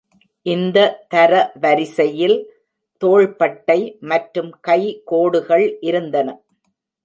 இந்த தரவரிசையில் தோள்பட்டை மற்றும் கை கோடுகள் இருந்தன.